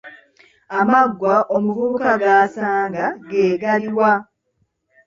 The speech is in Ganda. Amaggwa omuvubuka g’asanga ge galuwa?